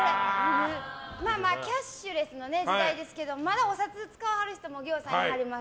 キャッシュレスの時代ですけどもまだお札使いはる人もぎょうさんいはります。